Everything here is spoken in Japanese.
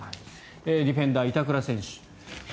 ディフェンダー、板倉選手。